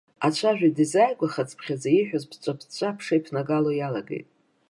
Ацәажәаҩ дизааигәахацыԥхьаӡа ииҳәоз ԥыҵәҵәа-ԥыҵәҵәа аԥша иԥнагало иалагеит.